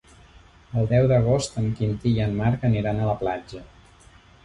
El deu d'agost en Quintí i en Marc aniran a la platja.